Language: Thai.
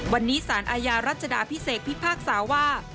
วันนี้สารอาญารัชดาพิเศษพิพากษาว่า